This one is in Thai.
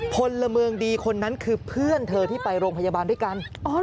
พลเมืองดีคนนั้นคือเพื่อนเธอที่ไปโรงพยาบาลด้วยกัน